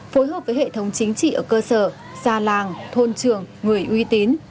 phối hợp với hệ thống chính trị ở cơ sở xa làng thôn trường người uy tín